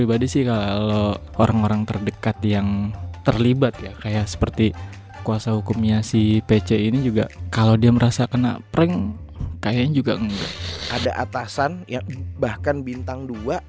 ada atasan bahkan bintang dua